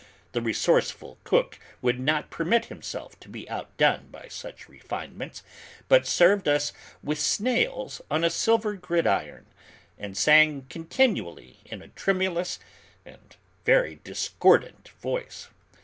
The resourceful cook would not permit himself to be outdone by such refinements, but served us with snails on a silver gridiron, and sang continually in a tremulous and very discordant voice.